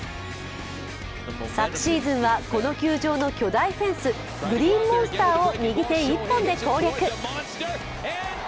昨シーズンはこの球場の巨大フェンス、グリーンモンスターを右手一本で攻略。